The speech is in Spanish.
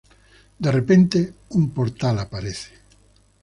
De repente, un portal aparece.